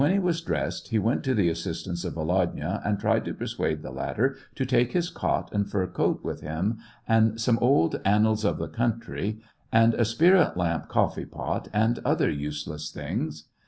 e was dressed, he went to the assistance of Volodya, and tried to persuade the latter to take his cot and fur coat with him, and some old '* Annals of the Country," and a spirit lamp coffee pot, and other useless things.